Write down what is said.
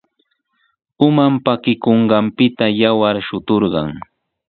Uman pakikunqanpita yawar shuturqan.